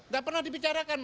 gak pernah dibicarakan